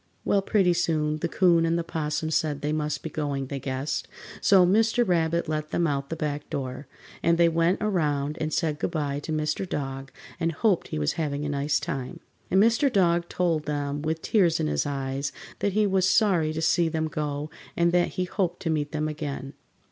Well, pretty soon the 'Coon and the 'Possum said they must be going, they guessed, so Mr. Rabbit let them out the back door, and they went around and said goodby to Mr. Dog and hoped he was having a nice time. And Mr. Dog told them, with tears in his eyes, that he was sorry to see them go and that he hoped to meet them again.